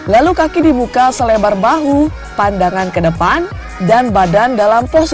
lalu kaki dibuka selebar bahu pandangan ke depan dan badan dalam posisi